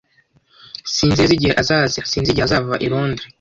Sinzi neza igihe azazira Sinzi igihe azava i Londres.